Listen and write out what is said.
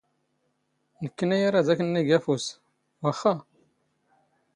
ⵏⴽⴽⵯⵏⵉ ⴰ ⵔⴰⴷ ⴰⴽ ⵏⵏ ⵉⴳ ⴰⴼⵓⵙ, ⵡⴰⵅⵅⴰ?